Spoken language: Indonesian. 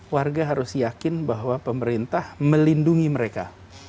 warga harus yakin bahwa pemerintah melindungi mereka